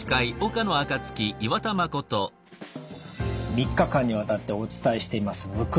３日間にわたってお伝えしていますむくみ。